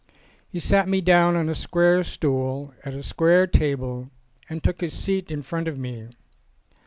He sat me down on a square stool at a square table and took his seat in front of me.